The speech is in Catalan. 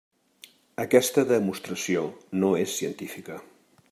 Aquesta demostració no és científica.